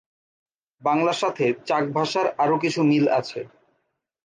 বাংলার সাথে চাক ভাষার আরো কিছু মিল আছে।